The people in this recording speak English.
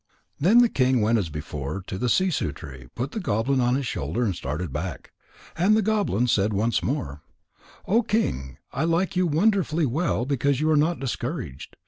_ Then the king went as before to the sissoo tree, put the goblin on his shoulder, and started back. And the goblin said once more: "O King, I like you wonderfully well because you are not discouraged.